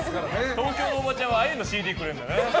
東京のおばちゃんはあゆのＣＤくれんだね。